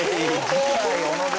次回小野寺。